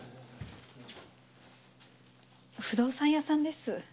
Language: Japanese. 不動産屋さんです。